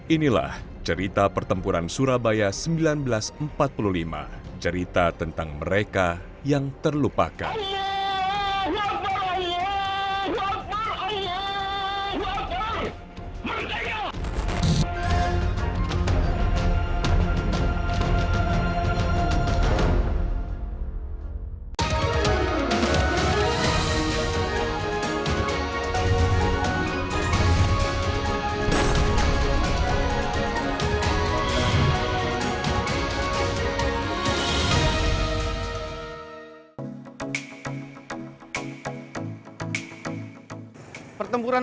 inilah cerita pertempuran surabaya seribu sembilan ratus empat puluh lima cerita tentang mereka yang terlupakan